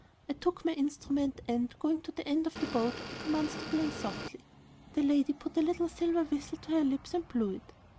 I took my instrument and, going to the end of the boat, I commenced to play softly. The lady put a little silver whistle to her lips and blew it.